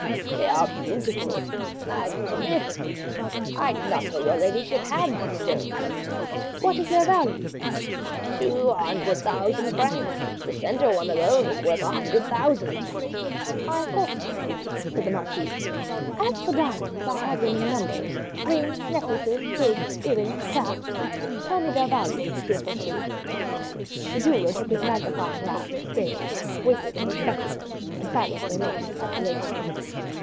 "They are beautiful magnificent. I did not know your ladyship had these stones." "What is their value?" "Two hundred thousand francs. The center one is alone worth a hundred thousand." "I thought so," said the marquise. "As for diamonds, I have them in numbers; rings, necklaces, sprigs, ear rings, clasps. Tell me their value, M. Faucheux." The jeweler took his magnifying glass and scales, weighed and inspected them, and silently made his calculations.